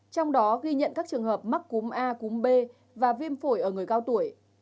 trong đó ghi nhận các trường hợp mắc cúm a cúm b và viêm phổi ở người cao tuổi